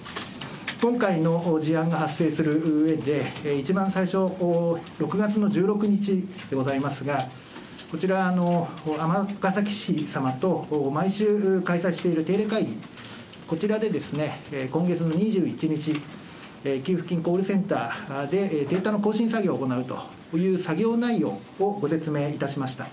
今回の事案が発生するうえで、一番最初、６月の１６日でございますが、こちら、尼崎市様と毎週開催している定例会議、こちらで今月の２１日、給付金コールセンターでデータの更新作業を行うという作業内容をご説明いたしました。